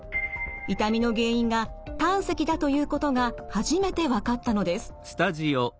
痛みの原因が胆石だということが初めて分かったのです。